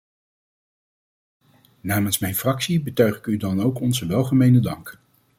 Namens mijn fractie betuig ik u dan ook onze welgemeende dank.